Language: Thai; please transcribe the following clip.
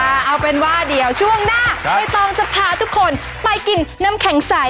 เอาเป็นว่าเดี๋ยวช่วงหน้าใบตองจะพาทุกคนไปกินน้ำแข็งใส